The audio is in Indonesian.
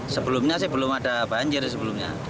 sebelumnya sih belum ada banjir sebelumnya